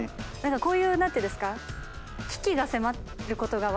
こういう何ていうんですか？